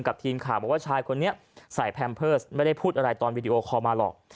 ทีมข่าวบอกว่าชายคนนี้ใส่แพมเพิร์สไม่ได้พูดอะไรตอนวีดีโอคอลมาหรอก